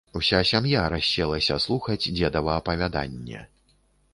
Уся сям'я расселася слухаць дзедава апавяданне.